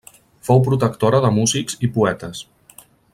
Fou protectora de músics i poetes.